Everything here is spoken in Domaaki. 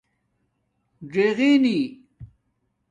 ژِغئ نی